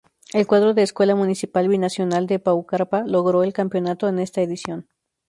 El cuadro de Escuela Municipal Binacional de Paucarpata logró el campeonato en esta edición.